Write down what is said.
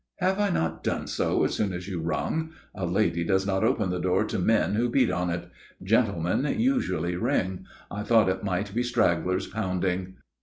"Have I not done so as soon as you rung? A lady does not open the door to men who beat on it. Gentlemen usually ring; I thought it might be stragglers pounding."